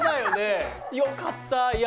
よかったー。